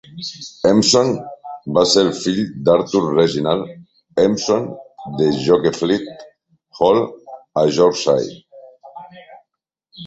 Empson va ser el fill d'Arthur Reginald Empson de Yokefleet Hall, a Yorkshire.